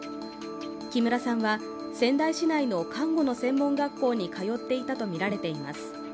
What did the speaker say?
木村さんは仙台市内の看護の専門学校に通っていたとみられています。